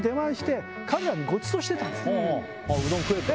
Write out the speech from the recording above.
「うどん食え」と。